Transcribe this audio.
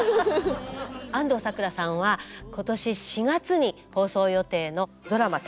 安藤サクラさんは今年４月に放送予定のドラマ